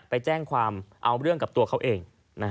ไปแจ้งความเอาเรื่องกับตัวเขาเอง